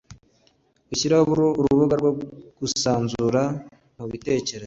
gushyiraho urubuga rwo kwisanzura mu bitekerezo